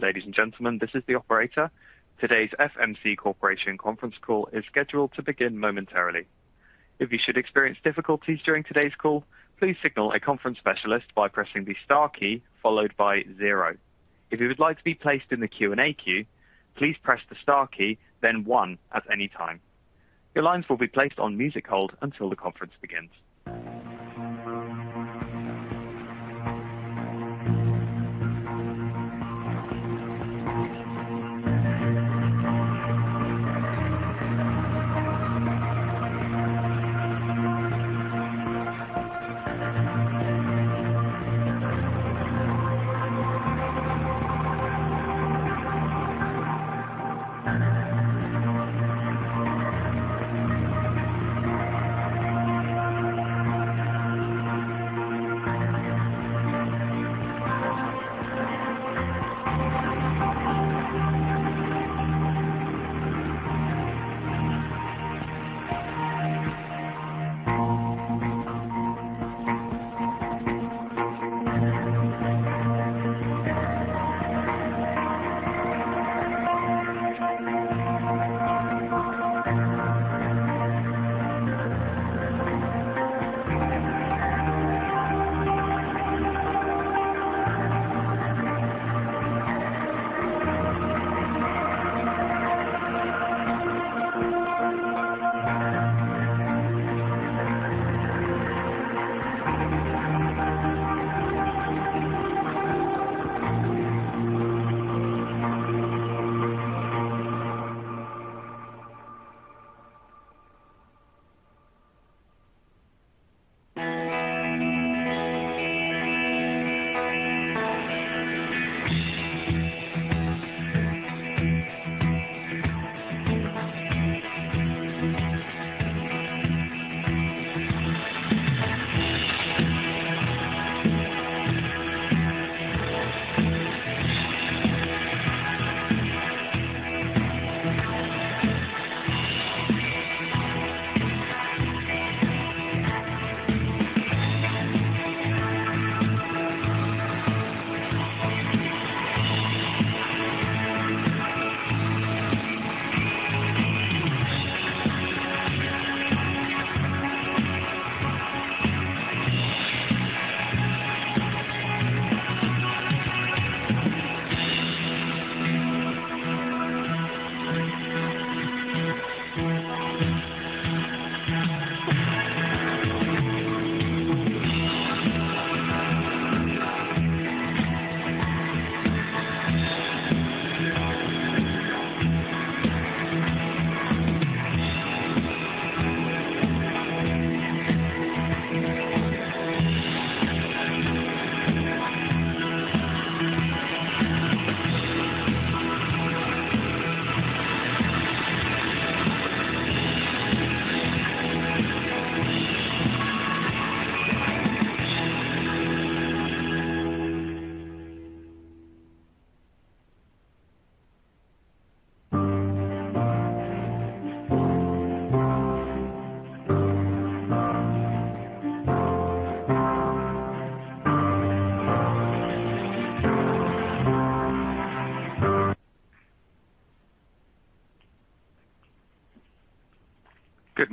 Ladies and gentlemen, this is the operator. Today's FMC Corporation conference call is scheduled to begin momentarily. If you should experience difficulties during today's call, please signal a conference specialist by pressing the star key followed by zero. If you would like to be placed in the Q&A queue, please press the star key, then one at any time. Your lines will be placed on music hold until the conference begins.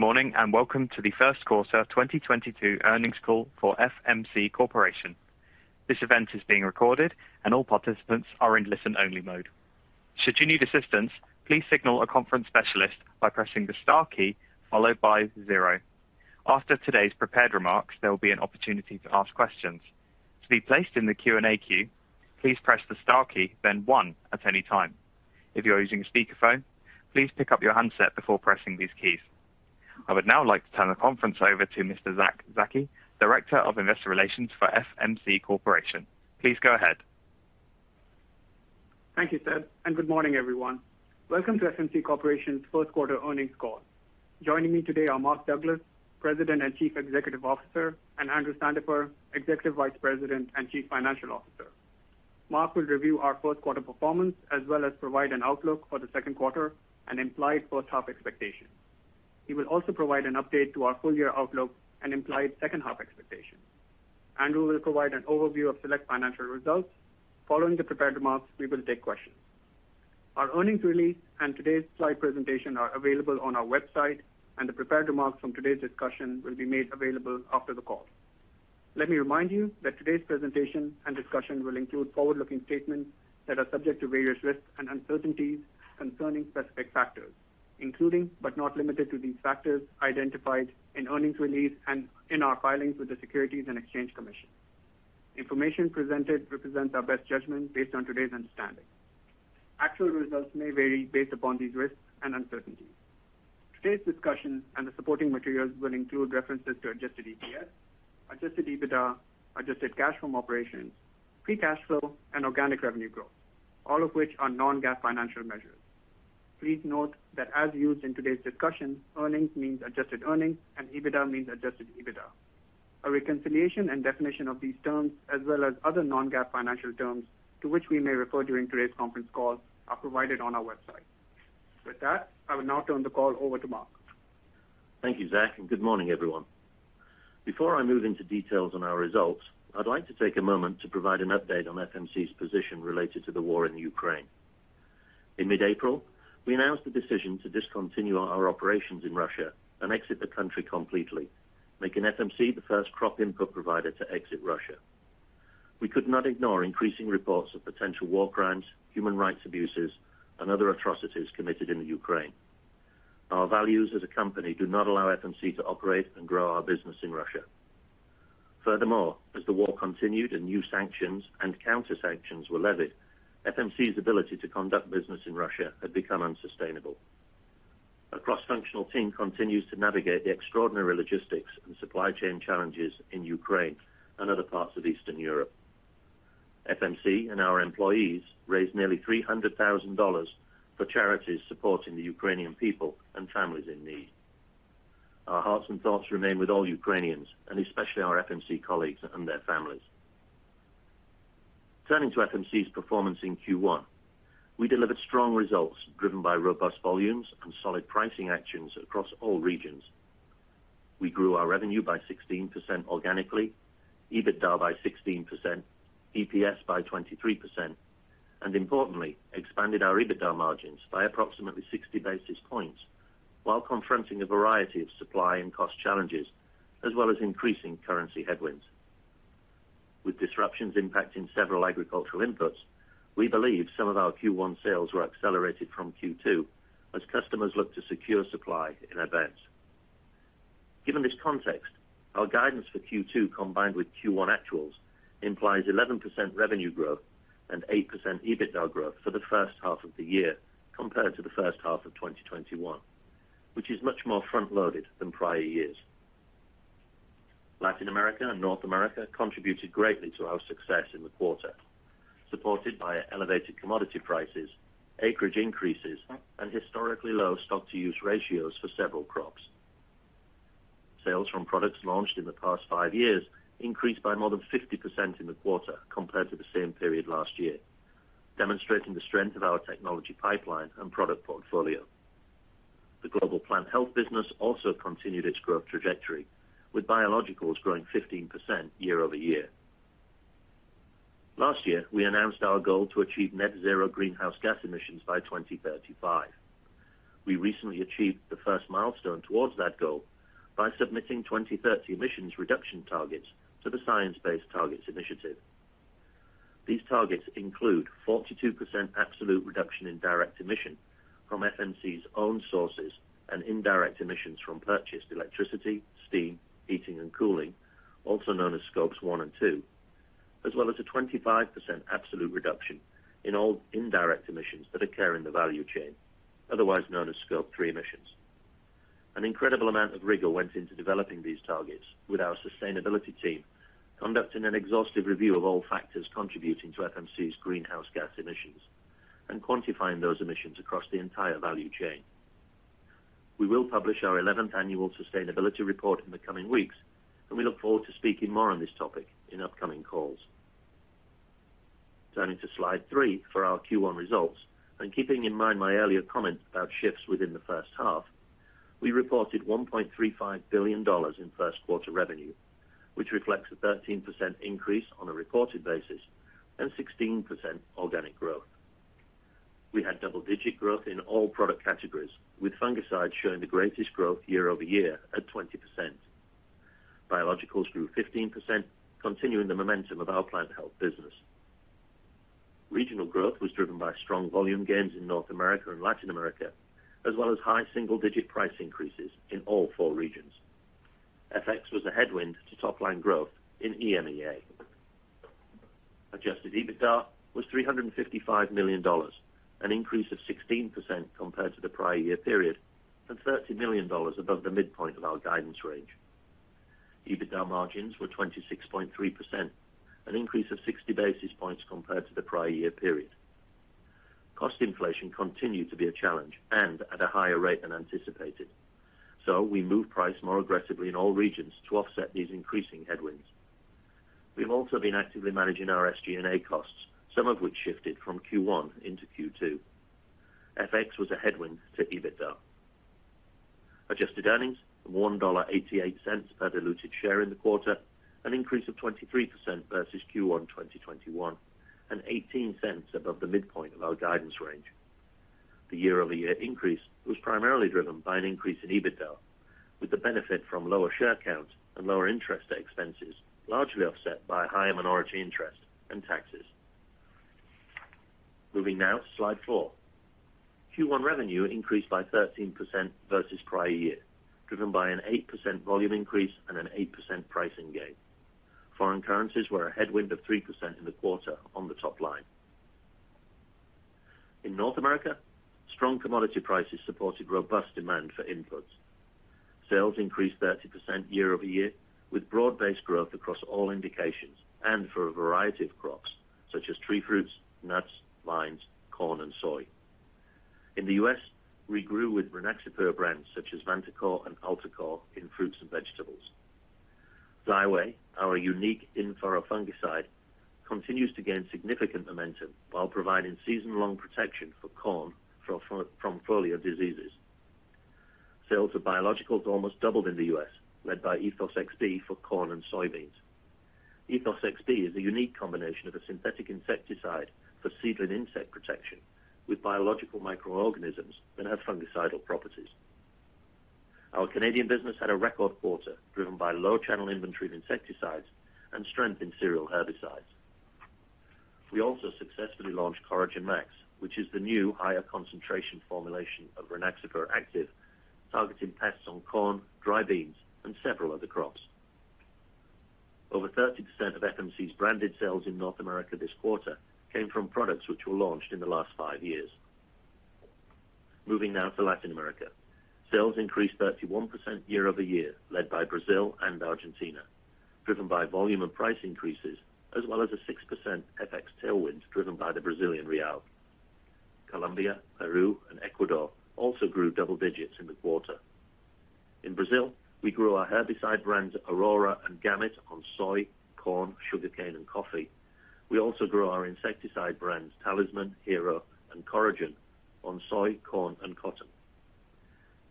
Good morning and welcome to the Q1 2022 earnings call for FMC Corporation. This event is being recorded and all participants are in listen-only mode. Should you need assistance, please signal a conference specialist by pressing the star key followed by zero. After today's prepared remarks, there will be an opportunity to ask questions. To be placed in the Q&A queue, please press the star key, then one at any time. If you are using a speakerphone, please pick up your handset before pressing these keys. I would now like to turn the conference over to Mr. Zack Zaki, Director of Investor Relations for FMC Corporation. Please go ahead. Thank you, sir, and good morning, everyone. Welcome to FMC Corporation's Q1 earnings call. Joining me today are Mark Douglas, President and Chief Executive Officer, and Andrew Sandifer, Executive Vice President and Chief Financial Officer. Mark will review our Q1 performance as well as provide an outlook for the Q2 and implied H1 expectations. He will also provide an update to our full-year outlook and implied H2 expectations. Andrew will provide an overview of select financial results. Following the prepared remarks, we will take questions. Our earnings release and today's slide presentation are available on our website, and the prepared remarks from today's discussion will be made available after the call. Let me remind you that today's presentation and discussion will include forward-looking statements that are subject to various risks and uncertainties concerning specific factors, including, but not limited to, these factors identified in earnings release and in our filings with the Securities and Exchange Commission. Information presented represents our best judgment based on today's understanding. Actual results may vary based upon these risks and uncertainties. Today's discussion and the supporting materials will include references to adjusted EPS, adjusted EBITDA, adjusted cash from operations, free cash flow and organic revenue growth, all of which are non-GAAP financial measures. Please note that as used in today's discussion, earnings means adjusted earnings and EBITDA means adjusted EBITDA. A reconciliation and definition of these terms, as well as other non-GAAP financial terms to which we may refer during today's conference call, are provided on our website. With that, I will now turn the call over to Mark. Thank you, Zack, and good morning, everyone. Before I move into details on our results, I'd like to take a moment to provide an update on FMC's position related to the war in Ukraine. In mid-April, we announced the decision to discontinue our operations in Russia and exit the country completely, making FMC the first crop input provider to exit Russia. We could not ignore increasing reports of potential war crimes, human rights abuses, and other atrocities committed in the Ukraine. Our values as a company do not allow FMC to operate and grow our business in Russia. Furthermore, as the war continued and new sanctions and counter-sanctions were levied, FMC's ability to conduct business in Russia had become unsustainable. A cross-functional team continues to navigate the extraordinary logistics and supply chain challenges in Ukraine and other parts of Eastern Europe. FMC and our employees raised nearly $300,000 for charities supporting the Ukrainian people and families in need. Our hearts and thoughts remain with all Ukrainians, and especially our FMC colleagues and their families. Turning to FMC's performance in Q1. We delivered strong results driven by robust volumes and solid pricing actions across all regions. We grew our revenue by 16% organically, EBITDA by 16%, EPS by 23%, and importantly, expanded our EBITDA margins by approximately 60 basis points while confronting a variety of supply and cost challenges, as well as increasing currency headwinds. With disruptions impacting several agricultural inputs, we believe some of our Q1 sales were accelerated from Q2 as customers look to secure supply in advance. Given this context, our guidance for Q2 combined with Q1 actuals implies 11% revenue growth and 8% EBITDA growth for the H1 of the year compared to the H1 of 2021, which is much more front-loaded than prior years. Latin America and North America contributed greatly to our success in the quarter, supported by elevated commodity prices, acreage increases, and historically low stock to use ratios for several crops. Sales from products launched in the past five years increased by more than 50% in the quarter compared to the same period last year, demonstrating the strength of our technology pipeline and product portfolio. The global plant health business also continued its growth trajectory, with biologicals growing 15% year-over-year. Last year, we announced our goal to achieve net zero greenhouse gas emissions by 2035. We recently achieved the first milestone towards that goal by submitting 2030 emissions reduction targets to the Science Based Targets initiative. These targets include 42% absolute reduction in direct emission from FMC's own sources and indirect emissions from purchased electricity, steam, heating, and cooling, also known as Scope 1 and 2, as well as a 25% absolute reduction in all indirect emissions that occur in the value chain, otherwise known as Scope 3 emissions. An incredible amount of rigor went into developing these targets with our sustainability team, conducting an exhaustive review of all factors contributing to FMC's greenhouse gas emissions and quantifying those emissions across the entire value chain. We will publish our eleventh annual sustainability report in the coming weeks, and we look forward to speaking more on this topic in upcoming calls. Turning to slide three for our Q1 results, keeping in mind my earlier comment about shifts within the H1, we reported $1.35 billion in Q1 revenue, which reflects a 13% increase on a reported basis and 16% organic growth. We had double-digit growth in all product categories, with fungicides showing the greatest growth year-over-year at 20%. Biologicals grew 15%, continuing the momentum of our plant health business. Regional growth was driven by strong volume gains in North America and Latin America, as well as high single-digit price increases in all four regions. FX was a headwind to top line growth in EMEA. Adjusted EBITDA was $355 million, an increase of 16% compared to the prior year period, and $30 million above the midpoint of our guidance range. EBITDA margins were 26.3%, an increase of 60 basis points compared to the prior year period. Cost inflation continued to be a challenge and at a higher rate than anticipated. We moved price more aggressively in all regions to offset these increasing headwinds. We have also been actively managing our SG&A costs, some of which shifted from Q1 into Q2. FX was a headwind to EBITDA. Adjusted earnings of $1.88 per diluted share in the quarter, an increase of 23% versus Q1 2021, and $0.18 above the midpoint of our guidance range. The year-over-year increase was primarily driven by an increase in EBITDA, with the benefit from lower share counts and lower interest expenses, largely offset by higher minority interest and taxes. Moving now to slide four. Q1 revenue increased by 13% versus prior year, driven by an 8% volume increase and an 8% pricing gain. Foreign currencies were a headwind of 3% in the quarter on the top line. In North America, strong commodity prices supported robust demand for inputs. Sales increased 30% year-over-year, with broad-based growth across all indications and for a variety of crops such as tree fruits, nuts, vines, corn, and soy. In the U.S., we grew with Rynaxypyr brands such as Vantacor and Altacor in fruits and vegetables. Xyway, our unique in-furrow fungicide, continues to gain significant momentum while providing season-long protection for corn from foliar diseases. Sales of biologicals almost doubled in the U.S., led by Ethos XB for corn and soybeans. Ethos XB is a unique combination of a synthetic insecticide for seedling insect protection with biological microorganisms that have fungicidal properties. Our Canadian business had a record quarter, driven by low channel inventory of insecticides and strength in cereal herbicides. We also successfully launched Coragen MaX, which is the new higher concentration formulation of Rynaxypyr active, targeting pests on corn, dry beans, and several other crops. Over 30% of FMC's branded sales in North America this quarter came from products which were launched in the last five years. Moving now to Latin America. Sales increased 31% year-over-year, led by Brazil and Argentina, driven by volume and price increases as well as a 6% FX tailwind driven by the Brazilian real. Colombia, Peru, and Ecuador also grew double digits in the quarter. In Brazil, we grew our herbicide brands Aurora and Gamit on soy, corn, sugarcane, and coffee. We also grew our insecticide brands, Talisman, Hero, and Coragen on soy, corn, and cotton.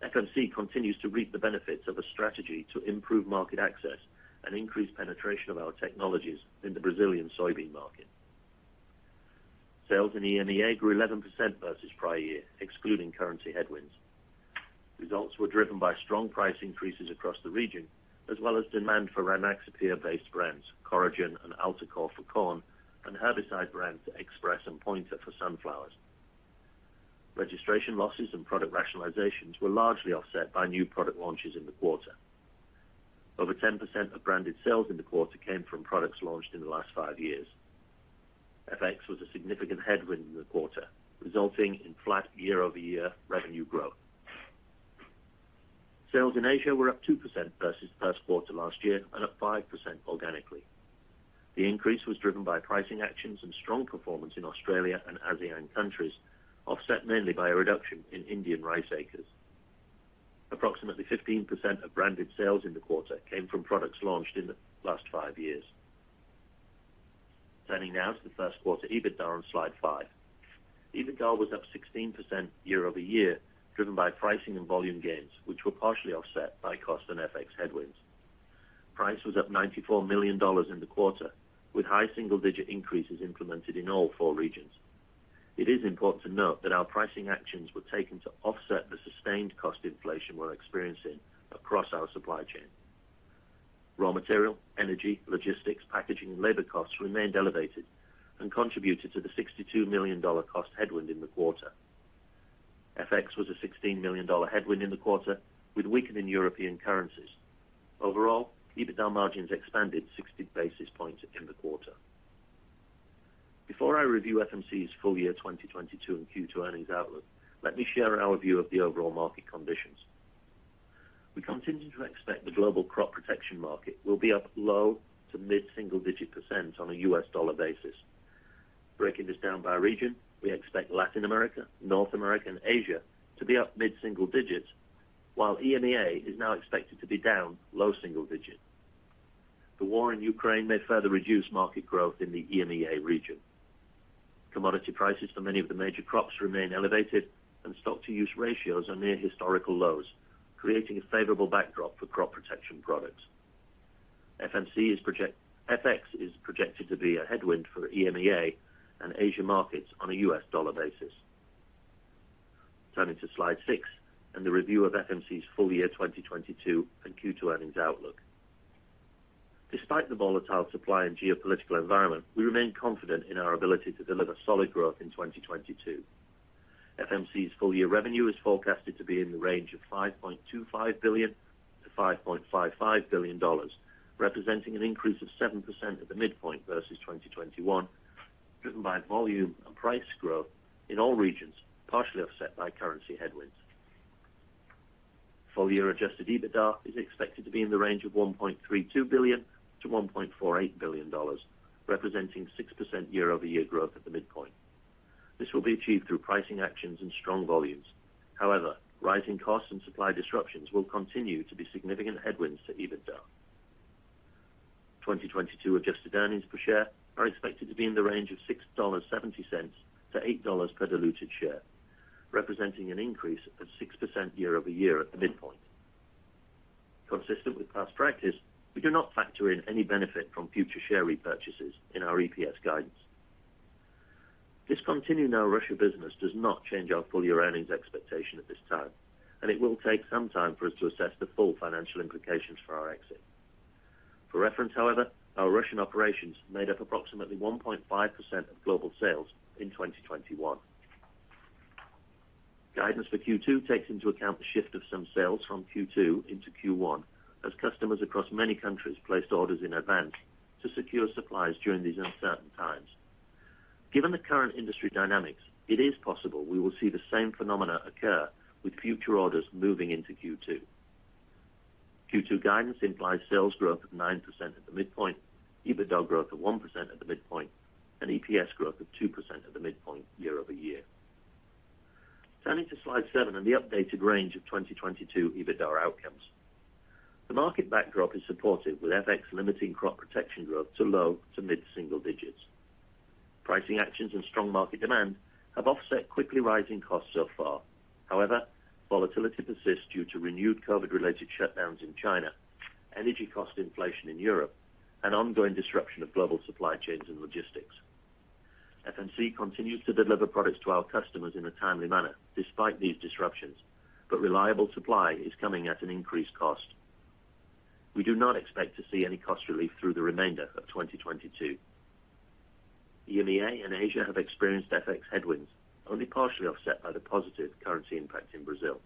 FMC continues to reap the benefits of a strategy to improve market access and increase penetration of our technologies in the Brazilian soybean market. Sales in EMEA grew 11% versus prior year, excluding currency headwinds. Results were driven by strong price increases across the region, as well as demand for Rynaxypyr-based brands, Coragen and Altacor for corn, and herbicide brands Express and Pointer for sunflowers. Registration losses and product rationalizations were largely offset by new product launches in the quarter. Over 10% of branded sales in the quarter came from products launched in the last 5 years. FX was a significant headwind in the quarter, resulting in flat year-over-year revenue growth. Sales in Asia were up 2% versus Q1 last year and up 5% organically. The increase was driven by pricing actions and strong performance in Australia and ASEAN countries, offset mainly by a reduction in Indian rice acres. Approximately 15% of branded sales in the quarter came from products launched in the last five years. Turning now to the Q1 EBITDA on slide five. EBITDA was up 16% year-over-year, driven by pricing and volume gains, which were partially offset by cost and FX headwinds. Price was up $94 million in the quarter, with high single-digit increases implemented in all 4 regions. It is important to note that our pricing actions were taken to offset the sustained cost inflation we're experiencing across our supply chain. Raw material, energy, logistics, packaging, and labor costs remained elevated and contributed to the $62 million cost headwind in the quarter. FX was a $16 million headwind in the quarter with weakening European currencies. Overall, EBITDA margins expanded 60 basis points in the quarter. Before I review FMC's full year 2022 and Q2 earnings outlook, let me share our view of the overall market conditions. We continue to expect the global crop protection market will be up low- to mid-single-digit % on a US dollar basis. Breaking this down by region, we expect Latin America, North America, and Asia to be up mid-single digits %, while EMEA is now expected to be down low single digit %. The war in Ukraine may further reduce market growth in the EMEA region. Commodity prices for many of the major crops remain elevated and stock-to-use ratios are near historical lows, creating a favorable backdrop for crop protection products. FX is projected to be a headwind for EMEA and Asia markets on a US dollar basis. Turning to slide six and the review of FMC's full year 2022 and Q2 earnings outlook. Despite the volatile supply and geopolitical environment, we remain confident in our ability to deliver solid growth in 2022. FMC's full year revenue is forecasted to be in the range of $5.25 billion-$5.55 billion, representing an increase of 7% at the midpoint versus 2021, driven by volume and price growth in all regions, partially offset by currency headwinds. Full year adjusted EBITDA is expected to be in the range of $1.32 billion-$1.48 billion, representing 6% year-over-year growth at the midpoint. This will be achieved through pricing actions and strong volumes. However, rising costs and supply disruptions will continue to be significant headwinds to EBITDA. 2022 adjusted earnings per share are expected to be in the range of $6.70-$8.00 per diluted share, representing an increase of 6% year-over-year at the midpoint. Consistent with past practice, we do not factor in any benefit from future share repurchases in our EPS guidance. Discontinuing our Russia business does not change our full-year earnings expectation at this time, and it will take some time for us to assess the full financial implications for our exit. For reference, however, our Russian operations made up approximately 1.5% of global sales in 2021. Guidance for Q2 takes into account the shift of some sales from Q2 into Q1 as customers across many countries placed orders in advance to secure supplies during these uncertain times. Given the current industry dynamics, it is possible we will see the same phenomena occur with future orders moving into Q2. Q2 guidance implies sales growth of 9% at the midpoint, EBITDA growth of 1% at the midpoint, and EPS growth of 2% at the midpoint year-over-year. Turning to Slide seven on the updated range of 2022 EBITDA outcomes. The market backdrop is supportive, with FX limiting crop protection growth to low to mid-single digits. Pricing actions and strong market demand have offset quickly rising costs so far. However, volatility persists due to renewed COVID-related shutdowns in China, energy cost inflation in Europe, and ongoing disruption of global supply chains and logistics. FMC continues to deliver products to our customers in a timely manner despite these disruptions, but reliable supply is coming at an increased cost. We do not expect to see any cost relief through the remainder of 2022. EMEA and Asia have experienced FX headwinds, only partially offset by the positive currency impact in Brazil.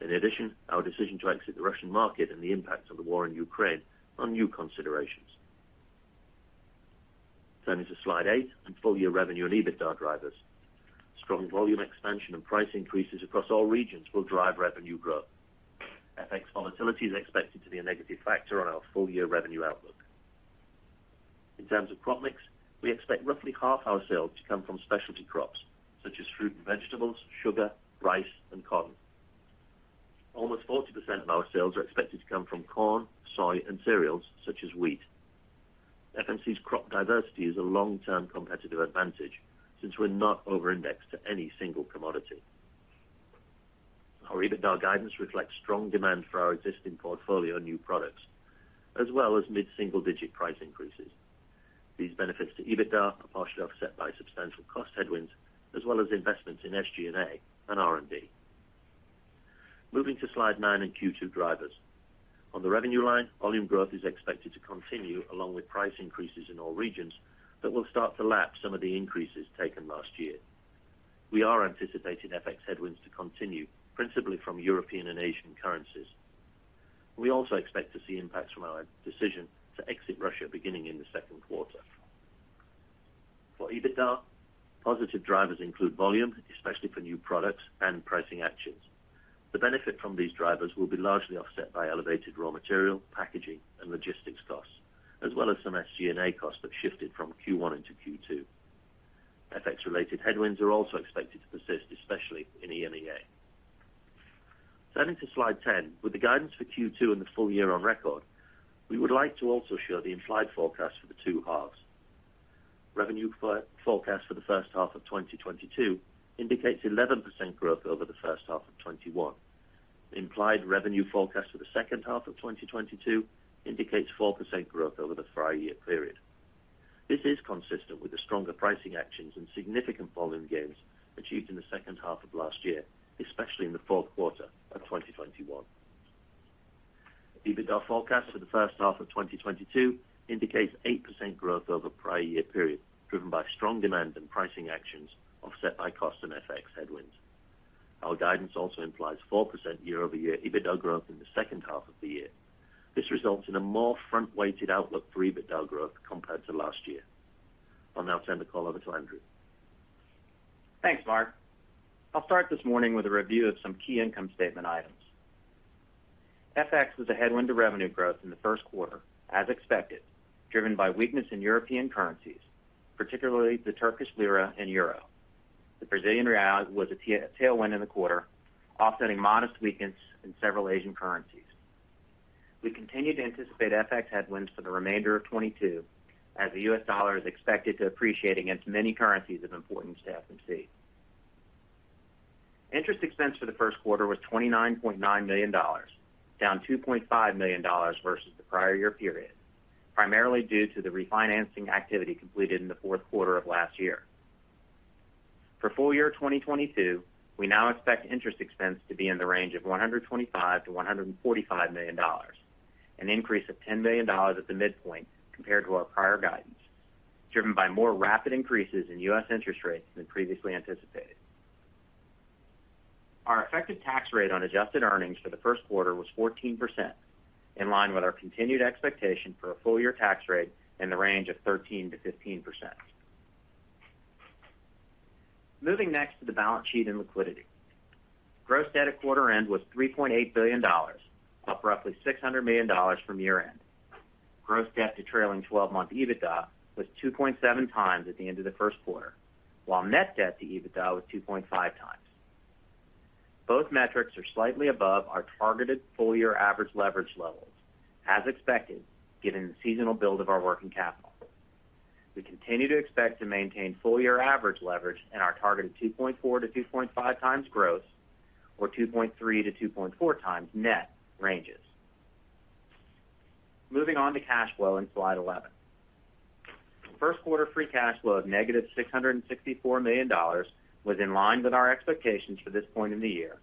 In addition, our decision to exit the Russian market and the impact of the war in Ukraine are new considerations. Turning to Slide eight on full year revenue and EBITDA drivers. Strong volume expansion and price increases across all regions will drive revenue growth. FX volatility is expected to be a negative factor on our full-year revenue outlook. In terms of crop mix, we expect roughly half our sales to come from specialty crops, such as fruit and vegetables, sugar, rice, and cotton. Almost 40% of our sales are expected to come from corn, soy, and cereals such as wheat. FMC's crop diversity is a long-term competitive advantage since we're not over-indexed to any single commodity. Our EBITDA guidance reflects strong demand for our existing portfolio of new products as well as mid-single-digit price increases. These benefits to EBITDA are partially offset by substantial cost headwinds, as well as investments in SG&A and R&D. Moving to Slide nine on Q2 drivers. On the revenue line, volume growth is expected to continue along with price increases in all regions that will start to lap some of the increases taken last year. We are anticipating FX headwinds to continue, principally from European and Asian currencies. We also expect to see impacts from our decision to exit Russia beginning in the Q2. For EBITDA, positive drivers include volume, especially for new products and pricing actions. The benefit from these drivers will be largely offset by elevated raw material, packaging, and logistics costs, as well as some SG&A costs that shifted from Q1 into Q2. FX-related headwinds are also expected to persist, especially in EMEA. Turning to Slide 10, with the guidance for Q2 and the full year on record, we would like to also show the implied forecast for the two halves. Revenue forecast for the H1 of 2022 indicates 11% growth over the H1 of 2021. Implied revenue forecast for the H2 of 2022 indicates 4% growth over the prior year period. This is consistent with the stronger pricing actions and significant volume gains achieved in the H2 of last year, especially in the Q4 of 2021. EBITDA forecast for the H1 of 2022 indicates 8% growth over prior year period, driven by strong demand and pricing actions offset by cost and FX headwinds. Our guidance also implies 4% year-over-year EBITDA growth in the H2 of the year. This results in a more front-weighted outlook for EBITDA growth compared to last year. I'll now turn the call over to Andrew. Thanks, Mark. I'll start this morning with a review of some key income statement items. FX was a headwind to revenue growth in the Q1, as expected, driven by weakness in European currencies, particularly the Turkish lira and euro. The Brazilian real was a tailwind in the quarter, offsetting modest weakness in several Asian currencies. We continue to anticipate FX headwinds for the remainder of 2022, as the US dollar is expected to appreciate against many currencies of importance to FMC. Interest expense for the Q1 was $29.9 million, down $2.5 million versus the prior year period, primarily due to the refinancing activity completed in the Q4 of last year. For full year 2022, we now expect interest expense to be in the range of $125 million-$145 million, an increase of $10 million at the midpoint compared to our prior guidance, driven by more rapid increases in US interest rates than previously anticipated. Our effective tax rate on adjusted earnings for the Q1 was 14%, in line with our continued expectation for a full-year tax rate in the range of 13%-15%. Moving next to the balance sheet and liquidity. Gross debt at quarter end was $3.8 billion, up roughly $600 million from year-end. Gross debt to trailing twelve-month EBITDA was 2.7 times at the end of the Q1, while net debt to EBITDA was 2.5 times. Both metrics are slightly above our targeted full year average leverage levels, as expected, given the seasonal build of our working capital. We continue to expect to maintain full year average leverage in our targeted 2.4-2.5x gross or 2.3-2.4x net ranges. Moving on to cash flow in Slide 11. Q1 free cash flow of -$664 million was in line with our expectations for this point in the year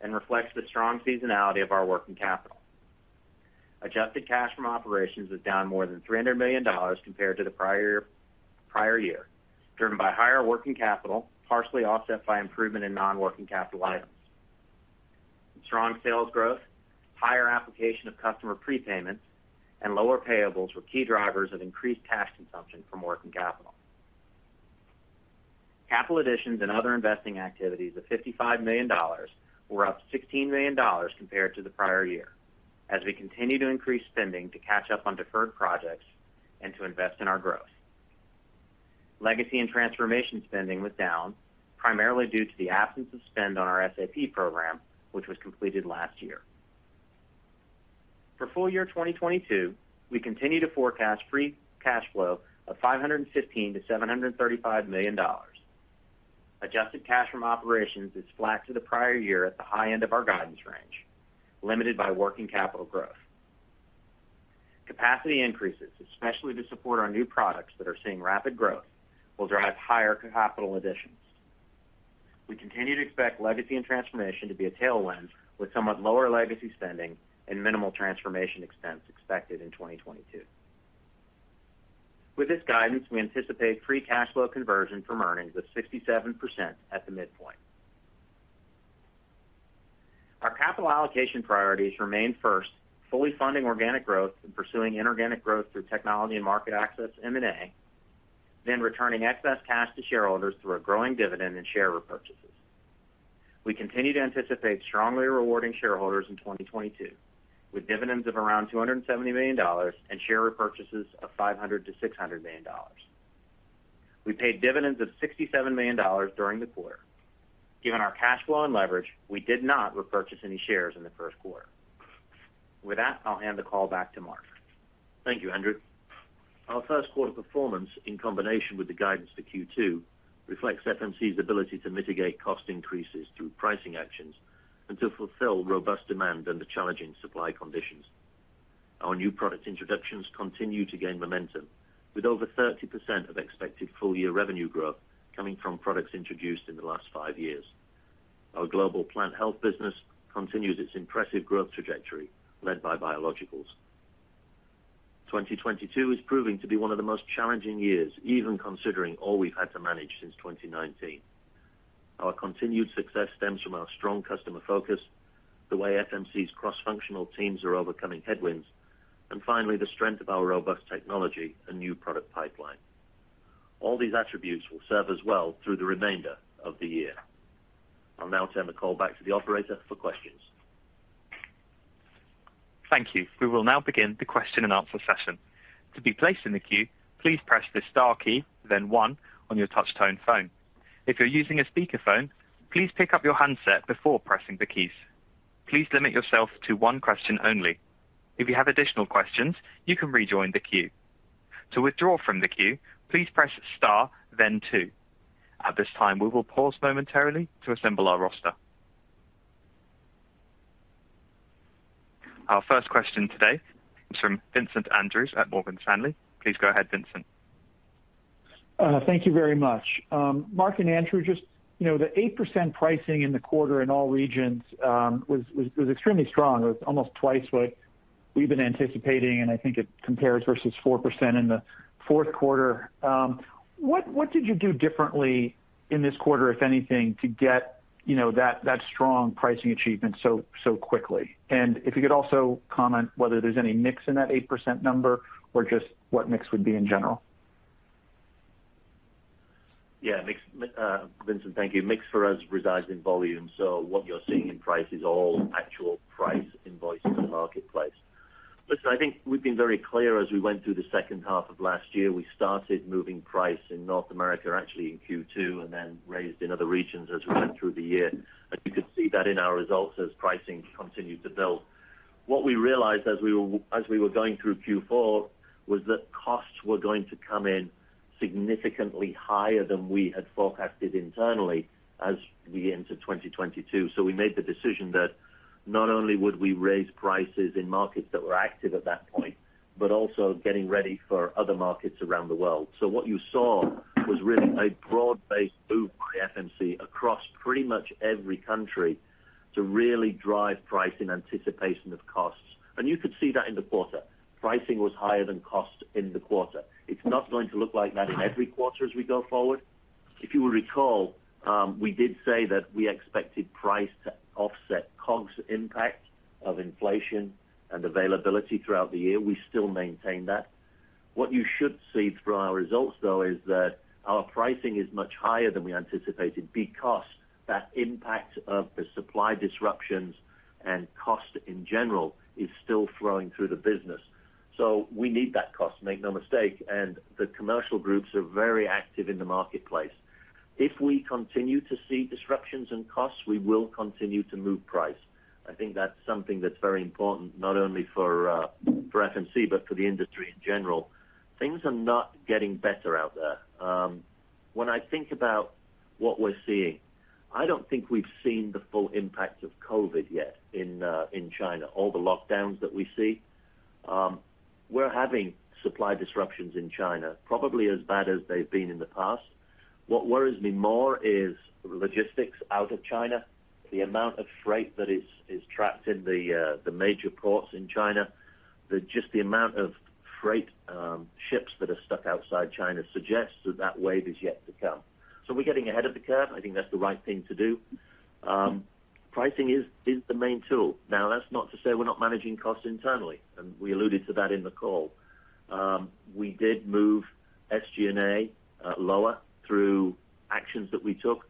and reflects the strong seasonality of our working capital. Adjusted cash from operations was down more than $300 million compared to the prior prior year, driven by higher working capital, partially offset by improvement in non-working capital items. Strong sales growth, higher application of customer prepayments, and lower payables were key drivers of increased cash consumption from working capital. Capital additions and other investing activities of $55 million were up $16 million compared to the prior year as we continue to increase spending to catch up on deferred projects and to invest in our growth. Legacy and transformation spending was down primarily due to the absence of spend on our SAP program, which was completed last year. For full year 2022, we continue to forecast free cash flow of $515 million-$735 million. Adjusted cash from operations is flat to the prior year at the high end of our guidance range, limited by working capital growth. Capacity increases, especially to support our new products that are seeing rapid growth, will drive higher capital additions. We continue to expect legacy and transformation to be a tailwind, with somewhat lower legacy spending and minimal transformation expense expected in 2022. With this guidance, we anticipate Free Cash Flow conversion from earnings of 67% at the midpoint. Our capital allocation priorities remain first, fully funding organic growth and pursuing inorganic growth through technology and market access M&A, then returning excess cash to shareholders through a growing dividend and share repurchases. We continue to anticipate strongly rewarding shareholders in 2022, with dividends of around $270 million and share repurchases of $500 million-$600 million. We paid dividends of $67 million during the quarter. Given our cash flow and leverage, we did not repurchase any shares in the Q1. With that, I'll hand the call back to Mark. Thank you, Andrew. Our Q1 performance, in combination with the guidance for Q2, reflects FMC's ability to mitigate cost increases through pricing actions and to fulfill robust demand under challenging supply conditions. Our new product introductions continue to gain momentum, with over 30% of expected full-year revenue growth coming from products introduced in the last five years. Our global plant health business continues its impressive growth trajectory led by biologicals. 2022 is proving to be one of the most challenging years, even considering all we've had to manage since 2019. Our continued success stems from our strong customer focus, the way FMC's cross-functional teams are overcoming headwinds, and finally, the strength of our robust technology and new product pipeline. All these attributes will serve us well through the remainder of the year. I'll now turn the call back to the operator for questions. Thank you. We will now begin the question and answer session. To be placed in the queue, please press the star key, then one on your touch-tone phone. If you're using a speakerphone, please pick up your handset before pressing the keys. Please limit yourself to one question only. If you have additional questions, you can rejoin the queue. To withdraw from the queue, please press star then two. At this time, we will pause momentarily to assemble our roster. Our first question today is from Vincent Andrews at Morgan Stanley. Please go ahead, Vincent. Thank you very much. Mark and Andrew, just, you know, the 8% pricing in the quarter in all regions was extremely strong. It was almost twice what we've been anticipating, and I think it compares versus 4% in the Q4. What did you do differently in this quarter, if anything, to get, you know, that strong pricing achievement so quickly? And if you could also comment whether there's any mix in that 8% number or just what mix would be in general. Vincent, thank you. Mix for us resides in volume. What you're seeing in pricing is all actual pricing invoiced in the marketplace. Listen, I think we've been very clear as we went through the H2 of last year. We started moving price in North America, actually in Q2, and then raised in other regions as we went through the year. As you can see in our results as pricing continued to build. What we realized as we were going through Q4 was that costs were going to come in significantly higher than we had forecasted internally as we enter 2022. We made the decision that not only would we raise prices in markets that were active at that point, but also getting ready for other markets around the world. What you saw was really a broad-based move by FMC across pretty much every country to really drive price in anticipation of costs. You could see that in the quarter. Pricing was higher than cost in the quarter. It's not going to look like that in every quarter as we go forward. If you will recall, we did say that we expected price to offset COGS impact of inflation and availability throughout the year. We still maintain that. What you should see from our results, though, is that our pricing is much higher than we anticipated because that impact of the supply disruptions and cost in general is still flowing through the business. We need that cost, make no mistake, and the commercial groups are very active in the marketplace. If we continue to see disruptions in costs, we will continue to move price. I think that's something that's very important not only for FMC, but for the industry in general. Things are not getting better out there. When I think about what we're seeing, I don't think we've seen the full impact of COVID yet in China, all the lockdowns that we see. We're having supply disruptions in China, probably as bad as they've been in the past. What worries me more is logistics out of China, the amount of freight that is trapped in the major ports in China. Just the amount of freight, ships that are stuck outside China suggests that that wave is yet to come. We're getting ahead of the curve. I think that's the right thing to do. Pricing is the main tool. Now, that's not to say we're not managing costs internally, and we alluded to that in the call. We did move SG&A lower through actions that we took.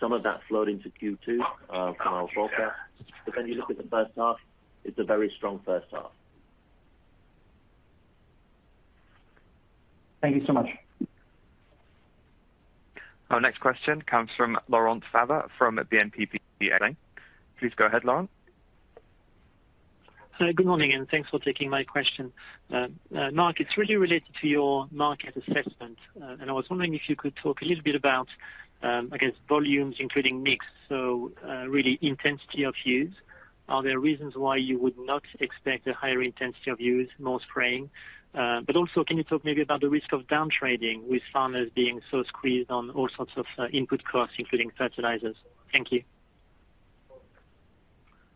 Some of that flowed into Q2 from our stock up. When you look at the H1, it's a very strong H1. Thank you so much. Our next question comes from Laurent Favre from BNP Paribas. Please go ahead, Laurent. Good morning, and thanks for taking my question. Mark, it's really related to your market assessment. I was wondering if you could talk a little bit about, I guess volumes including mix, so, really intensity of use. Are there reasons why you would not expect a higher intensity of use, more spraying? Also, can you talk maybe about the risk of down trading with farmers being so squeezed on all sorts of, input costs, including fertilizers? Thank you.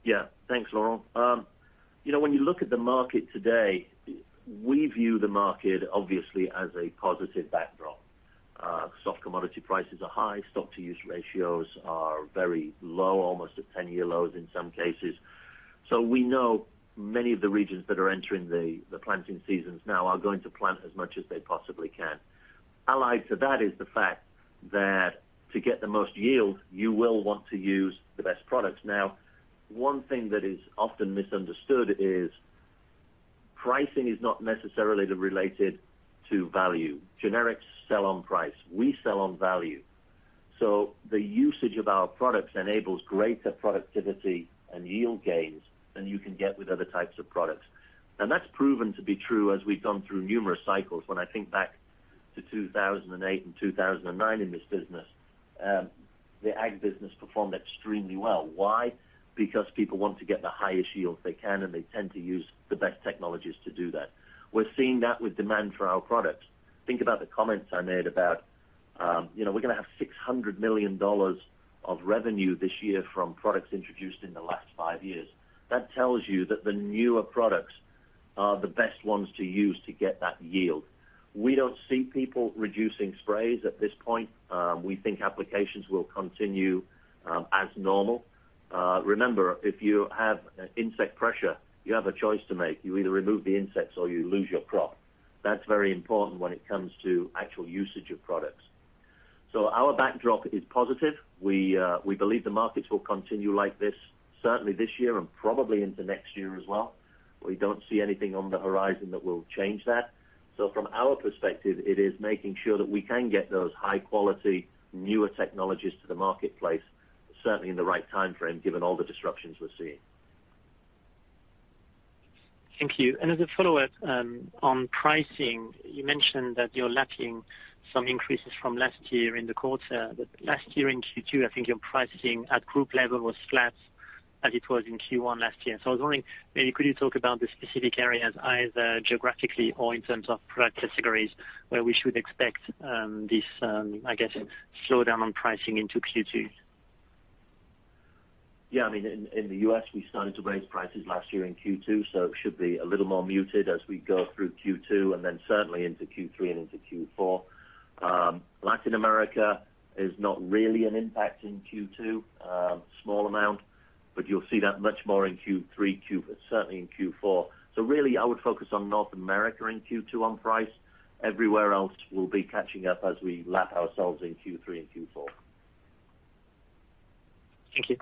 Yeah. Thanks, Laurent Favre. You know, when you look at the market today, we view the market obviously as a positive backdrop. Soft commodity prices are high. Stock to use ratios are very low, almost at 10-year lows in some cases. We know many of the regions that are entering the planting seasons now are going to plant as much as they possibly can. Allied to that is the fact that to get the most yield, you will want to use the best products. Now, one thing that is often misunderstood is pricing is not necessarily related to value. Generics sell on price. We sell on value. So the usage of our products enables greater productivity and yield gains than you can get with other types of products. That's proven to be true as we've gone through numerous cycles. When I think back to 2008 and 2009 in this business, the ag business performed extremely well. Why? Because people want to get the highest yield they can, and they tend to use the best technologies to do that. We're seeing that with demand for our products. Think about the comments I made about, you know, we're gonna have $600 million of revenue this year from products introduced in the last five years. That tells you that the newer products are the best ones to use to get that yield. We don't see people reducing sprays at this point. We think applications will continue as normal. Remember, if you have insect pressure, you have a choice to make. You either remove the insects or you lose your crop. That's very important when it comes to actual usage of products. Our backdrop is positive. We believe the markets will continue like this, certainly this year and probably into next year as well. We don't see anything on the horizon that will change that. From our perspective, it is making sure that we can get those high-quality, newer technologies to the marketplace, certainly in the right timeframe, given all the disruptions we're seeing. Thank you. As a follow-up, on pricing, you mentioned that you're lacking some increases from last year in the quarter. Last year in Q2, I think your pricing at group level was flat as it was in Q1 last year. I was wondering, maybe could you talk about the specific areas, either geographically or in terms of product categories, where we should expect, this, I guess, slowdown on pricing into Q2? Yeah. I mean, in the US, we started to raise prices last year in Q2, so it should be a little more muted as we go through Q2, and then certainly into Q3 and into Q4. Latin America is not really an impact in Q2, a small amount, but you'll see that much more in Q3, certainly in Q4. Really I would focus on North America in Q2 on price. Everywhere else will be catching up as we lap ourselves in Q3 and Q4. Thank you.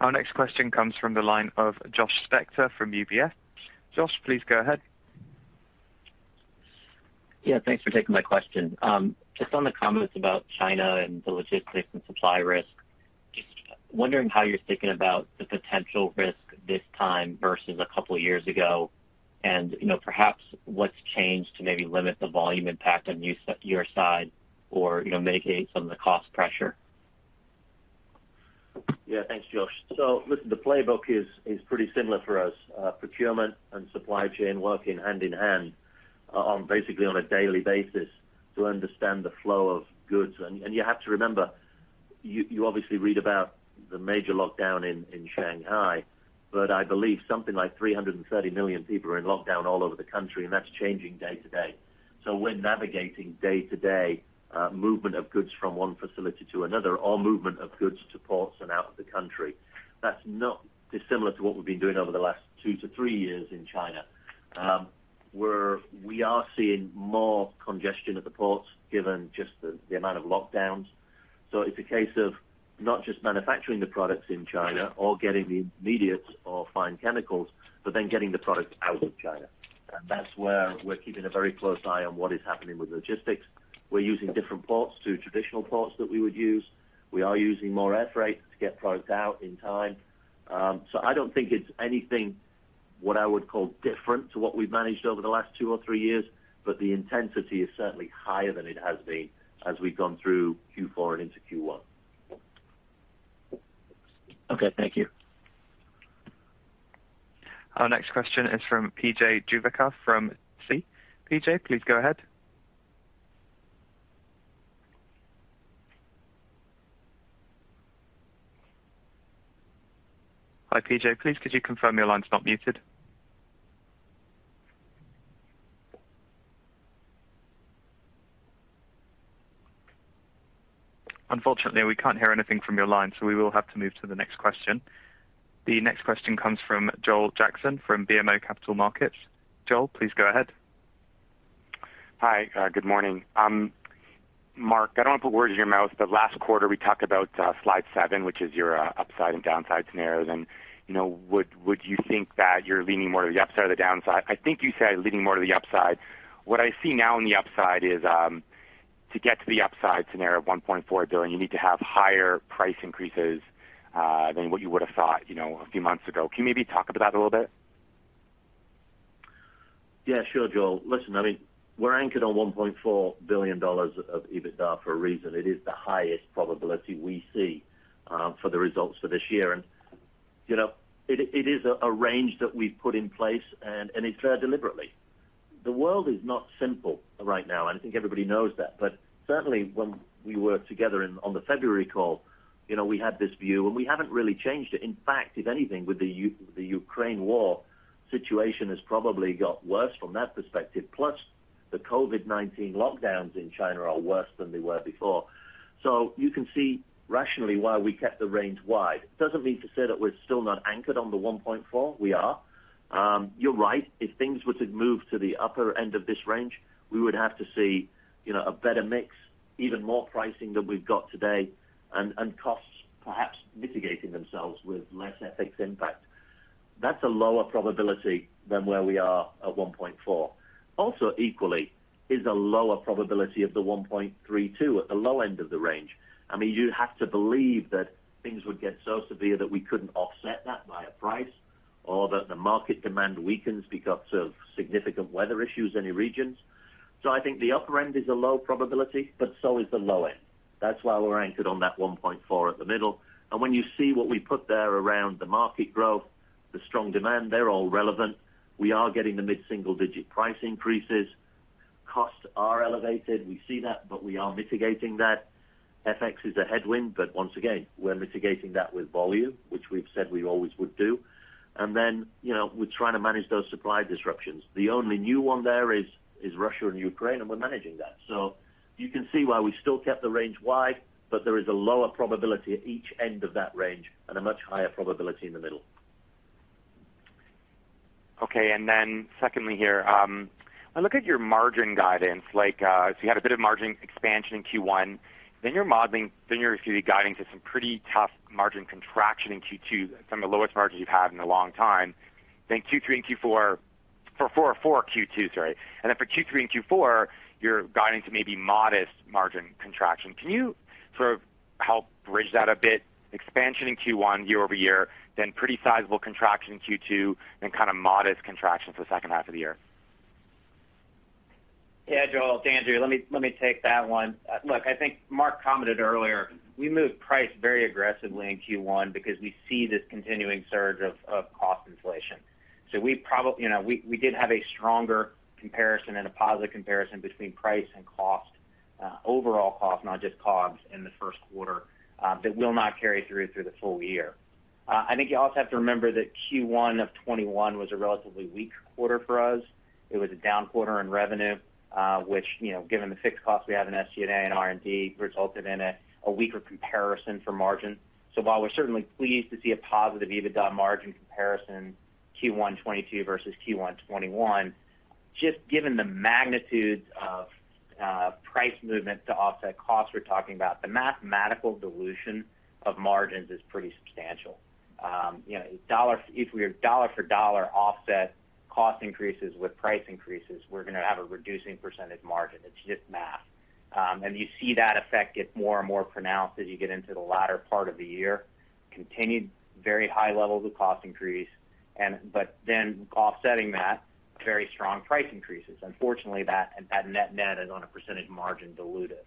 Our next question comes from the line of Josh Spector from UBS. Josh, please go ahead. Yeah, thanks for taking my question. Just on the comments about China and the logistics and supply risk, just wondering how you're thinking about the potential risk this time versus a couple years ago. You know, perhaps what's changed to maybe limit the volume impact on you, your side or, you know, mitigate some of the cost pressure. Yeah. Thanks, Josh. Listen, the playbook is pretty similar for us, procurement and supply chain working hand in hand on basically on a daily basis to understand the flow of goods. You have to remember, you obviously read about the major lockdown in Shanghai, but I believe something like 330 million people are in lockdown all over the country, and that's changing day-to-day. We're navigating day-to-day movement of goods from one facility to another or movement of goods to ports and out of the country. That's not dissimilar to what we've been doing over the last 2-3 years in China. We are seeing more congestion at the ports given just the amount of lockdowns. It's a case of not just manufacturing the products in China or getting the intermediates or fine chemicals, but then getting the products out of China. That's where we're keeping a very close eye on what is happening with logistics. We're using different ports than traditional ports that we would use. We are using more air freight to get products out in time. I don't think it's anything what I would call different to what we've managed over the last two or three years, but the intensity is certainly higher than it has been as we've gone through Q4 and into Q1. Okay, thank you. Our next question is from P.J. Juvekar from Citi. PJ, please go ahead. Hi, PJ. Please, could you confirm your line's not muted? Unfortunately, we can't hear anything from your line, so we will have to move to the next question. The next question comes from Joel Jackson from BMO Capital Markets. Joel, please go ahead. Hi. Good morning. Mark, I don't wanna put words in your mouth, but last quarter we talked about slide seven, which is your upside and downside scenarios. You know, would you think that you're leaning more to the upside or the downside? I think you said leaning more to the upside. What I see now on the upside is to get to the upside scenario of $1.4 billion, you need to have higher price increases than what you would have thought, you know, a few months ago. Can you maybe talk about that a little bit? Yeah. Sure, Joel. Listen, I mean, we're anchored on $1.4 billion of EBITDA for a reason. It is the highest probability we see for the results for this year. You know, it is a range that we've put in place, and it's there deliberately. The world is not simple right now, and I think everybody knows that. Certainly, when we were together on the February call, you know, we had this view, and we haven't really changed it. In fact, if anything, the Ukraine war situation has probably got worse from that perspective. Plus the COVID-19 lockdowns in China are worse than they were before. You can see rationally why we kept the range wide. It doesn't mean to say that we're still not anchored on the $1.4 billion. We are. You're right. If things were to move to the upper end of this range, we would have to see, you know, a better mix, even more pricing than we've got today, and costs perhaps mitigating themselves with less FX impact. That's a lower probability than where we are at $1.4 billion. Also equally is a lower probability of the $1.32 billion at the low end of the range. I mean, you'd have to believe that things would get so severe that we couldn't offset that via price or that the market demand weakens because of significant weather issues in the regions. I think the upper end is a low probability, but so is the low end. That's why we're anchored on that $1.4 billion at the middle. When you see what we put there around the market growth, the strong demand, they're all relevant. We are getting the mid-single digit price increases. Costs are elevated. We see that, but we are mitigating that. FX is a headwind, but once again, we're mitigating that with volume, which we've said we always would do. You know, we're trying to manage those supply disruptions. The only new one there is Russia and Ukraine, and we're managing that. You can see why we still kept the range wide, but there is a lower probability at each end of that range and a much higher probability in the middle. Okay. Secondly here, I look at your margin guidance, like, so you had a bit of margin expansion in Q1, then you're gonna be guiding to some pretty tough margin contraction in Q2, some of the lowest margins you've had in a long time. Then Q3 and Q4, you're guiding to maybe modest margin contraction. Can you sort of help bridge that a bit? Expansion in Q1 year-over-year, then pretty sizable contraction in Q2, then kinda modest contraction for the H2 of the year. Yeah, Joel, it's Andrew. Let me take that one. Look, I think Mark commented earlier, we moved price very aggressively in Q1 because we see this continuing surge of cost inflation. You know, we did have a stronger comparison and a positive comparison between price and cost, overall cost, not just COGS, in the Q1, that will not carry through the full year. I think you also have to remember that Q1 of 2021 was a relatively weak quarter for us. It was a down quarter in revenue, which, you know, given the fixed cost we have in SG&A and R&D, resulted in a weaker comparison for margin. While we're certainly pleased to see a positive EBITDA margin comparison Q1 2022 versus Q1 2021, just given the magnitude of price movement to offset costs we're talking about, the mathematical dilution of margins is pretty substantial. You know, dollar for dollar if we're dollar for dollar offset cost increases with price increases, we're gonna have a reducing percentage margin. It's just math. And you see that effect get more and more pronounced as you get into the latter part of the year. Continued very high levels of cost increase but then offsetting that, very strong price increases. Unfortunately, that net-net is on a percentage margin diluted.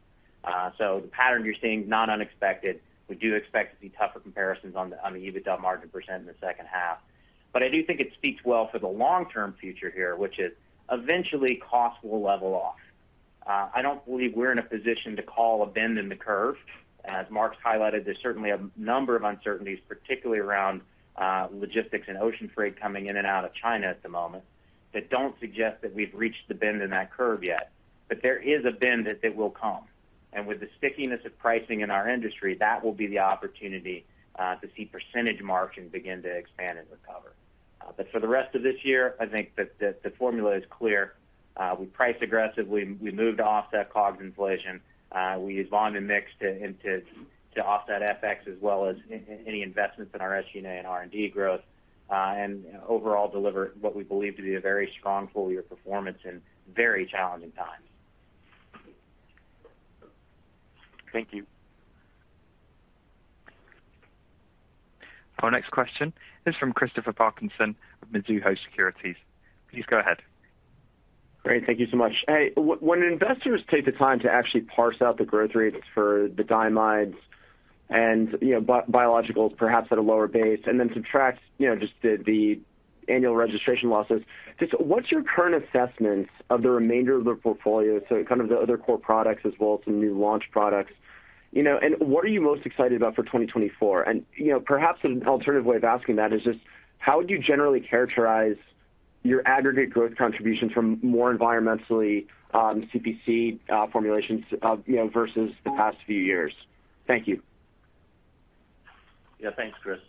The pattern you're seeing, not unexpected. We do expect to see tougher comparisons on the EBITDA margin percent in the H2. I do think it speaks well for the long-term future here, which is eventually costs will level off. I don't believe we're in a position to call a bend in the curve. As Mark's highlighted, there's certainly a number of uncertainties, particularly around logistics and ocean freight coming in and out of China at the moment, that don't suggest that we've reached the bend in that curve yet. There is a bend that will come. With the stickiness of pricing in our industry, that will be the opportunity to see percentage margins begin to expand and recover. For the rest of this year, I think that the formula is clear. We priced aggressively. We moved to offset COGS inflation. We used volume mix to offset FX as well as any investments in our SG&A and R&D growth. Overall deliver what we believe to be a very strong full-year performance in very challenging times. Thank you. Our next question is from Christopher Parkinson of Mizuho Securities. Please go ahead. Great. Thank you so much. Hey, when investors take the time to actually parse out the growth rates for the diamides and, you know, biologicals perhaps at a lower base, and then subtract, you know, just the annual registration losses, just what's your current assessment of the remainder of the portfolio, so kind of the other core products as well as some new launch products? You know, and what are you most excited about for 2024? And, you know, perhaps an alternative way of asking that is just how would you generally characterize Your aggregate growth contributions from more environmentally CPC formulations, you know, versus the past few years. Thank you. Yeah. Thanks, Chris.